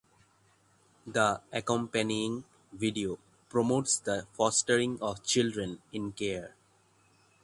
The accompanying video promotes the fostering of children in care.